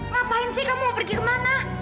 ngapain sih kamu mau pergi kemana